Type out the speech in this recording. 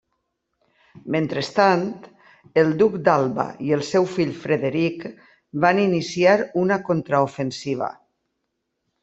Mentrestant el duc d'Alba i el seu fill Frederic van iniciar una contraofensiva.